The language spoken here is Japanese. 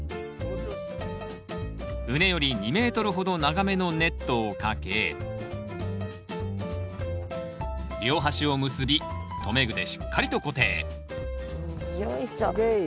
畝より２メートルほど長めのネットをかけ両端を結び留め具でしっかりと固定よいしょ。